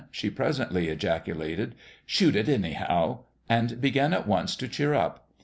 she presently ejaculated " Shoot it, any how !" and began at once to cheer up.